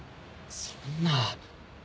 そんな。